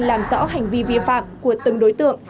làm rõ hành vi vi phạm của từng đối tượng